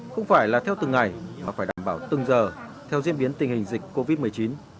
không phải là theo từng ngày mà phải đảm bảo từng giờ theo diễn biến tình hình dịch covid một mươi chín